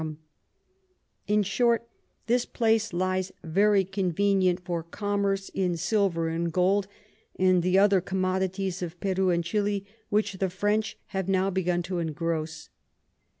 _ In short, this place lies very convenient for Commerce in Silver and Gold, and the other Commodities of Peru and Chili, which the French have now begun to engross.